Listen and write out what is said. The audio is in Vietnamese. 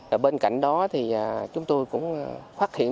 ở bên cạnh đó chúng tôi cũng phát hiện